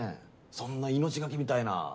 そんな命懸けみたいな。